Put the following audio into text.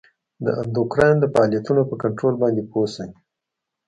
د اندوکراین د فعالیتونو په کنترول باندې پوه شئ.